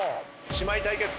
姉妹対決。